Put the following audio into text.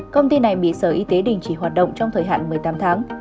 công ty này bị sở y tế đình chỉ hoạt động trong thời hạn một mươi tám tháng